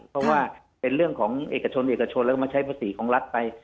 เพราะว่าเป็นเรื่องของเอกชนเอกชนแล้วก็มาใช้ภาษีของรัฐไป